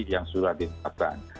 yang sudah disediakan